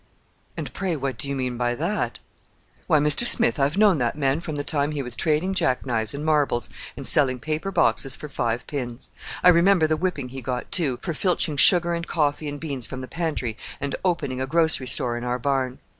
"And, pray, what do you mean by that?" "Why, Mr. Smith, I've known that man from the time he was trading jack knives and marbles and selling paper boxes for five pins. I remember the whipping he got, too, for filching sugar and coffee and beans from the pantry and opening a grocery store in our barn.